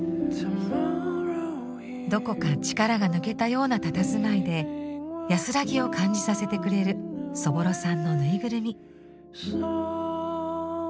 どこか力が抜けたようなたたずまいで安らぎを感じさせてくれるそぼろさんのぬいぐるみ。